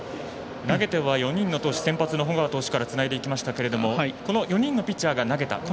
投げては４人の投手先発の保川投手からつないでいきましたけれども４人のピッチャーが投げた。